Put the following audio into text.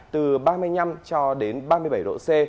từ ba mươi năm cho đến ba mươi bảy độ c